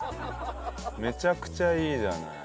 めちゃくちゃいいじゃない。